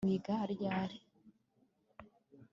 wiga ryari